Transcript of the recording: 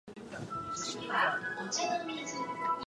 フィニステール県の県都はカンペールである